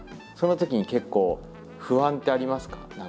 そのときに結構不安ってありますか？